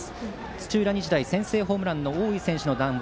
土浦日大、先制ホームランの大井選手の談話。